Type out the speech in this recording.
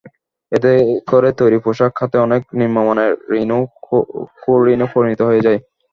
এতে করে তৈরি পোশাক খাতে অনেক নিম্নমানের ঋণও কুঋণে পরিণত হয়ে যায়।